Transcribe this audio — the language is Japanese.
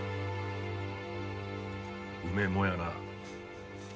うめえもんやな。